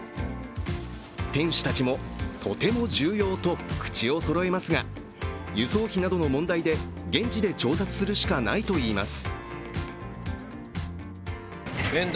店主たちも、とても重要と口をそろえますが、輸送費などの問題で現地で調達するしかないといいます。